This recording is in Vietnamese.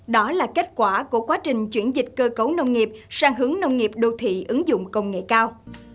đó là kết quả của quá trình chuyển dịch cơ cấu nông nghiệp sang hướng nông nghiệp đô thị ứng dụng công nghệ cao